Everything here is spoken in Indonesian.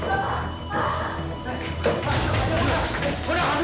alih semua selanjutnya